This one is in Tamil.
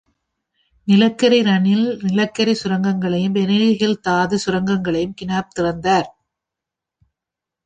நிலக்கரி ரன்னில் நிலக்கரி சுரங்கங்களையும், " Barney Hill " தாது சுரங்கங்களையும் Knapp திறந்தார்.